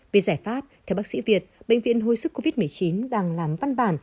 về giải pháp theo bác sĩ việt bệnh viện hồi sức covid một mươi chín đang làm văn bản